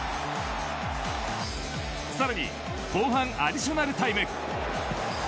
さらに後半アディショナルタイム。